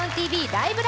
ライブ！」。